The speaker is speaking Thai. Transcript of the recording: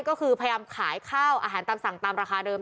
ก็คือพยายามขายข้าวอาหารตามสั่งตามราคาเดิม